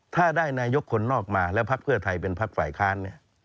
ถ้าได้นายกคนนอกมาแล้วภักดิ์เผื่อไทยเป็นภักดิ์ฝ่ายค้าน